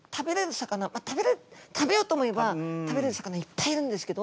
魚食べようと思えば食べれる魚いっぱいいるんですけど。